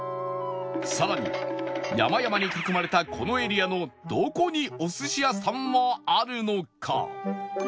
さらに山々に囲まれたこのエリアのどこにお寿司屋さんはあるのか？